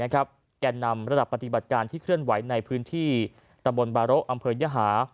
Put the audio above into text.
แก่นำระดับปฏิบัติการที่เคลื่อนไหวในพื้นที่ตำบลบาระอำเภอยหา